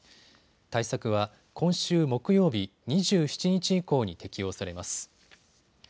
対策は今週木曜日、２７日以降に適用されます。